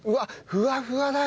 ふわふわだよ！